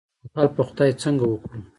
توکل په خدای څنګه وکړو؟